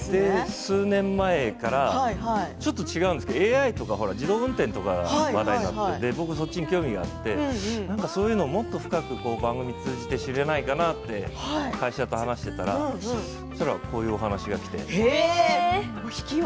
数年前からちょっと違うんですけどＡＩとか自動運転とか話題になって僕そういうことに興味があってもっとそういうことを深く番組を通して知ることができないかなと会社と話していたらこういう番組がきて。